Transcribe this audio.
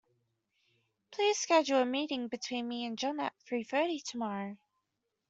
Please schedule a meeting between me and John at three thirty tomorrow.